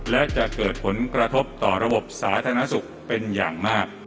และจะเกิดผลกระทบต่อระบบสาธารณสุขเป็นอย่างมาก